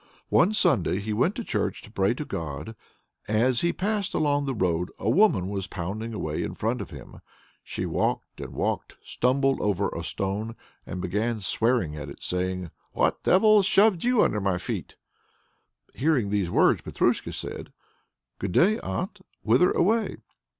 One Sunday he went to church to pray to God. As he passed along the road a woman was pounding away in front of him. She walked and walked, stumbled over a stone, and began swearing at it, saying, "What devil shoved you under my feet?" Hearing these words, Petrusha said: "Good day, aunt! whither away?"